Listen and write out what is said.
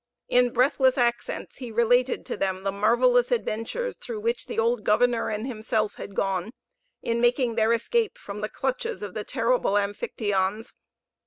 In breathless accents, he related to them the marvelous adventures through which the old governor and himself had gone, in making their escape from the clutches of the terrible Amphictyons.